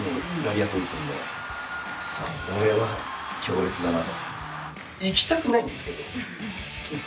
それは強烈だなと。